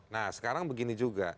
nah sekarang begini juga